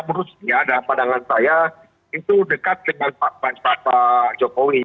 menurut saya dan pandangan saya itu dekat dengan pak jokowi